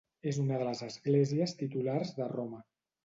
És una de les esglésies titulars de Roma.